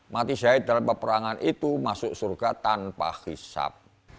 mati syahid dalam peperangan itu masuk surga tanpa hisap